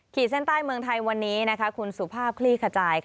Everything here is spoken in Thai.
เส้นใต้เมืองไทยวันนี้คุณสุภาพคลี่ขจาย